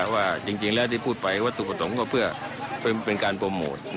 ว่าจริงแล้วที่พูดไปวัตถุประสงค์ก็เพื่อเป็นการโปรโมท